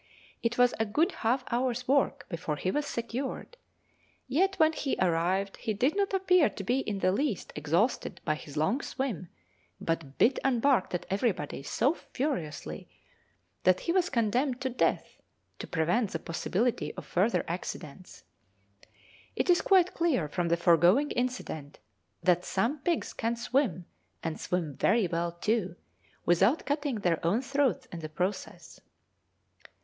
It was a good half hour's work before he was secured, yet when he arrived he did not appear to be in the least exhausted by his long swim, but bit and barked at everybody so furiously that he was condemned to death, to prevent the possibility of further accidents. It is quite clear from the foregoing incident that some pigs can swim, and swim very well too, without cutting their own throats in the process.